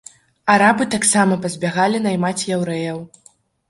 Арабы таксама пазбягалі наймаць яўрэяў.